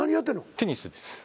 テニスです。